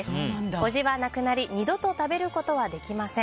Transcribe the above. おじは亡くなり二度と食べることはできません。